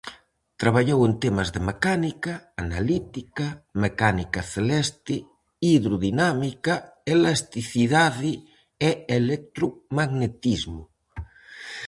Traballou en temas de mecánica, analítica, mecánica celeste, hidrodinámica, elasticidade e electromagnetismo.